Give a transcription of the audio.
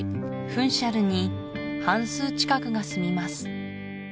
フンシャルに半数近くが住みます